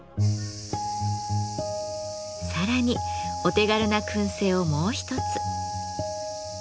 さらにお手軽な燻製をもう一つ。